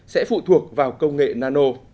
sẽ phụ thuộc vào công nghệ nano